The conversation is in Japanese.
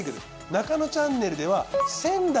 『ナカノチャンネル』では１，０００台。